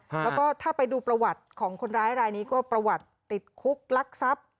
แล้วก็ถ้าไปดูประวัติของคนร้ายรายนี้ก็ประวัติติดคุกลักทรัพย์